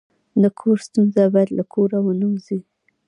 د کور ستونزه باید له کوره ونه وځي.